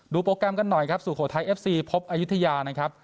โปรแกรมกันหน่อยครับสุโขทัยเอฟซีพบอายุทยานะครับ